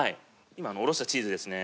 今おろしたチーズですね